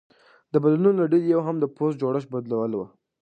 د بدلونونو له ډلې یو هم د پوځ جوړښت بدلول و